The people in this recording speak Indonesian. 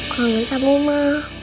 kangen sama ma